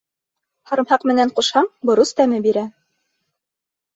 Һарымһаҡ менән ҡушһаң, борос тәме бирә.